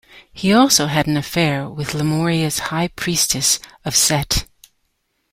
He also had an affair with Lemuria's High Priestess of Set.